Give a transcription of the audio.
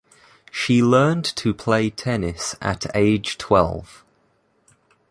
She learned to play tennis at age twelve.